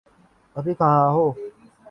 ابھی کہاں ہو؟